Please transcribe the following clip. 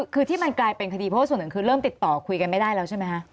คือที่มันกลายเป็นคดีเพราะว่าส่วนหนึ่งคือเริ่มติดต่อคุยกันไม่ได้แล้วใช่ไหมคะ